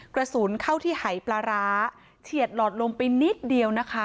กระสุนเข้าที่หายปลาร้าเฉียดหลอดลมไปนิดเดียวนะคะ